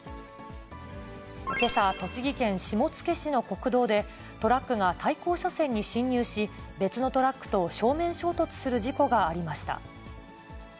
けさ、栃木県下野市の国道で、トラックが対向車線に進入し、別のトラックと正面衝突する事故がありました。